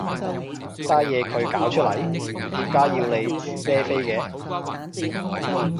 單嘢佢搞出嚟，點解要你孭飛嘅？